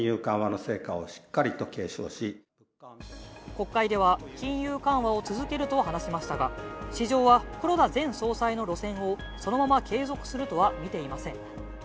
国会では金融緩和を続けると話しましたが市場は黒田前総裁の路線をそのまま継続するとはみていません。